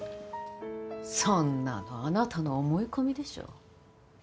そんなのあなたの思い込みでしょ。